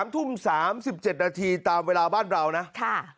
๓ทุ่ม๓๗นาทีตามเวลาบ้านเรานะ